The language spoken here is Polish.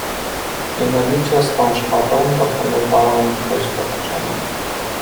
"Mianowicie z tą szpadą dokonywałem doświadczenia."